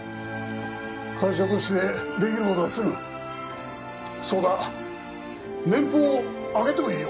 会社としてできることはするそうだ年俸を上げてもいいよ